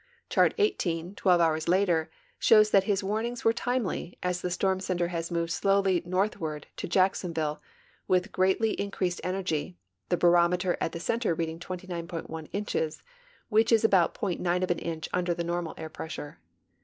Chart XVIII, twelve hours later, shows that his warnings were timel}^ as the storm center has moved slowly northward to Jack sonville, with greatly increased energy, the l)arometer at the center reading 29.1 inches, which is about .9 of an inch under the normal air pressure.